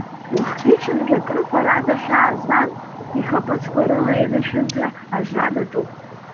Уахгьы-ҽынгьы акрыфарада хьаа змам, ихаԥыцқәа рыла инышәынҭра ажра даҿуп.